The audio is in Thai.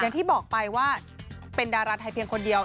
อย่างที่บอกไปว่าเป็นดาราไทยเพียงคนเดียว